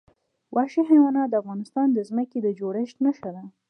وحشي حیوانات د افغانستان د ځمکې د جوړښت نښه ده.